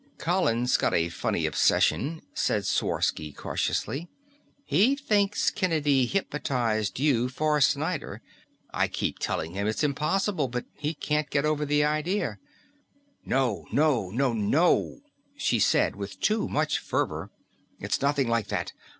"Colin's gotten a funny obsession," said Sworsky cautiously. "He thinks Kennedy hypnotized you for Snyder. I keep telling him it's impossible, but he can't get over the idea." "Oh, no, no, no," she said with too much fervor. "It's nothing like that.